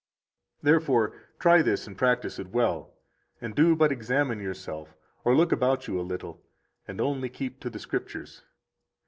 83 Therefore, try this and practise it well, and do but examine yourself, or look about you a little, and only keep to the Scriptures.